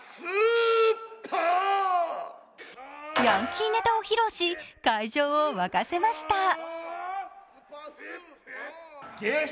ヤンキーネタを披露し会場を沸かせました。